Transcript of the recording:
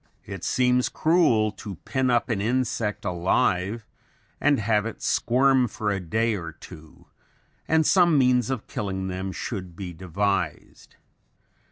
It seems cruel to pin up an insect alive and have it squirm for a day or two and some means of killing them should be devised.